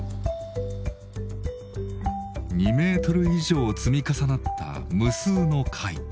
２ｍ以上積み重なった無数の貝。